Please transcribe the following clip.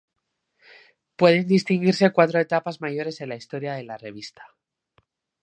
Pueden distinguirse cuatro etapas mayores en la historia de la revista.